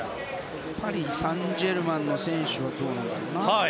パリ・サンジェルマンの選手はどうなんだろうな。